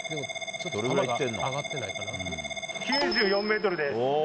９４メートルです。